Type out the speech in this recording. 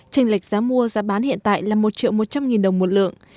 trên lệch giá mua giá bán hiện tại là một triệu một trăm linh đồng một lượng